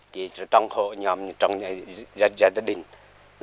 phát triển vườn xâm trong hộ nhà gia đình